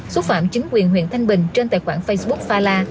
xúc phạm chính quyền huyện thanh bình trên tài khoản facebook pha la